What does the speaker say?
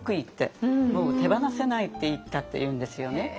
もう手放せないって言ったっていうんですよね。